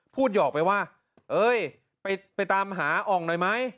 หยอกไปว่าเอ้ยไปตามหาอ่องหน่อยไหม